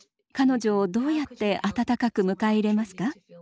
彼女をどうやって温かく迎え入れますか？